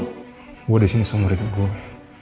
gue disini sama riki gue